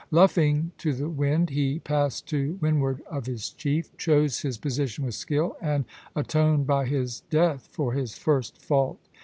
Luffing to the wind, he passed to windward of his chief, chose his position with skill, and atoned by his death for his first fault.